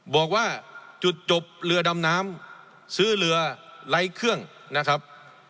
บอกว่าจุดจบเรือดำน้ำซื้อเรือไร้เครื่องนะครับ